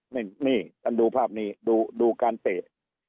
นี่นี่กันดูภาพนี้ดูดูการเตะ